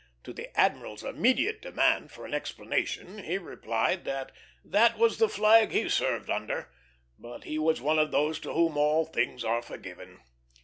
To the admiral's immediate demand for an explanation, he replied that that was the flag he served under; but he was one of those to whom all things are forgiven.